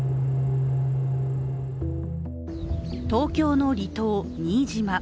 東京の離島・新島。